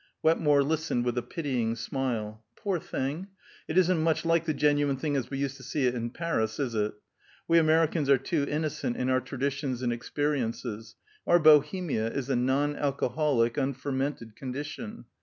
Wetmore listened with a pitying smile. "Poor thing! It isn't much like the genuine thing, as we used to see it in Paris, is it? We Americans are too innocent in our traditions and experiences; our Bohemia is a non alcoholic, unfermented condition.